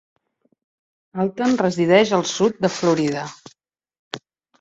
Alten resideix al sud de Florida.